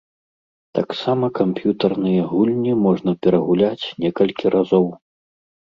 Таксама камп'ютарныя гульні можна перагуляць некалькі разоў.